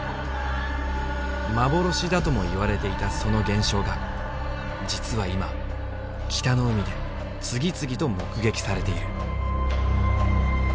幻だとも言われていたその現象が実は今北の海で次々と目撃されている。